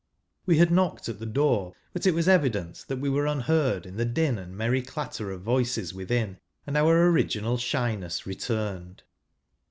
We had knocked at the door, but it was evi j dent that we were unheard in the din and j merry clatter of voices within, and our old original shyness returned.